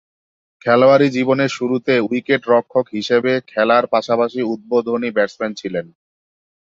খেলোয়াড়ী জীবনের শুরুতে উইকেট-রক্ষক হিসেবে খেলার পাশাপাশি উদ্বোধনী ব্যাটসম্যান ছিলেন।